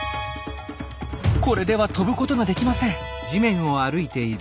これでは飛ぶことができません。